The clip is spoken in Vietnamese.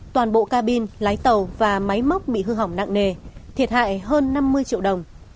toàn bộ ca bin lái tàu và máy móc bị hư hỏng nặng nề thiệt hại hơn năm mươi triệu đồng